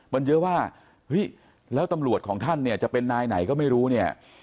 มันเยอะว่าเฮ้ยแล้วตำรวจของท่านเนี่ยจะเป็นนายไหนก็ไม่รู้เนี่ย